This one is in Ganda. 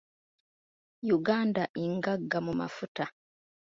Uganda ngagga mu mafuta.